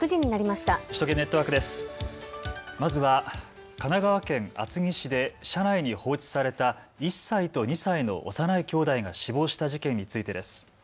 まずは神奈川県厚木市で車内に放置された１歳と２歳の幼いきょうだいが死亡した事件についてです。